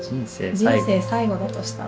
人生最後だとしたら。